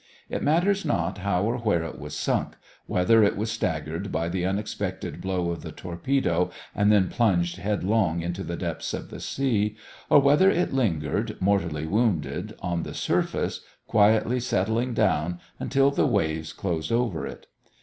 It matters not how or where it was sunk, whether it was staggered by the unexpected blow of the torpedo and then plunged headlong into the depths of the sea, or whether it lingered, mortally wounded, on the surface, quietly settling down until the waves closed over it.